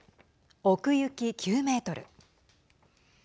奥行き９メートル。